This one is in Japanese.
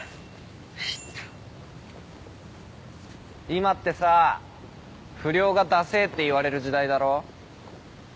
今ってさ不良がダセえって言われる時代だろ？